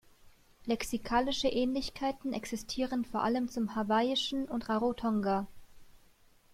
Lexikalische Ähnlichkeiten existieren vor allem zum Hawaiischen und Rarotonga.